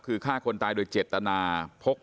คือฆ่าคนตายโดยเจตนาพก